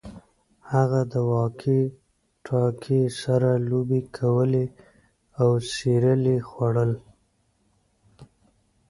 هغه د واکي ټاکي سره لوبې کولې او سیریل یې خوړل